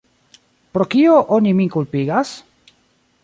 Pro kio oni min kulpigas?